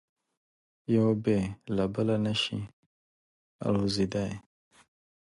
یو بې له بله نه شي الوزېدای.